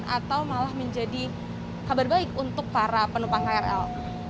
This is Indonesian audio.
atau malah menjadi kabar baik untuk para penumpang krl